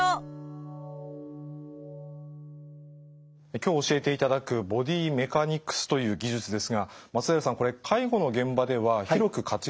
今日教えていただくボディメカニクスという技術ですが松平さんこれ介護の現場では広く活用されているんでしょうか？